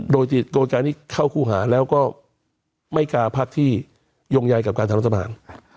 โดยการนี้เข้าคู่หาแล้วก็ไม่กล่าพักที่ยงใยกับการทำรัฐประหาร